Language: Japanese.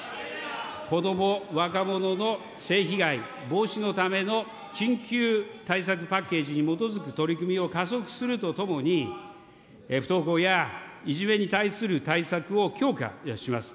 こども・若者の性被害防止のための緊急対策パッケージに基づく取り組みを加速するとともに、不登校やいじめに対する対策を強化します。